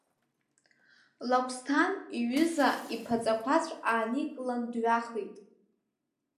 Лагәсҭан иҩыза иԥаҵа қәацә ааникылан дҩахеит.